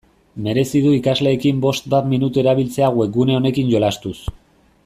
Merezi du ikasleekin bost bat minutu erabiltzea webgune honekin jolastuz.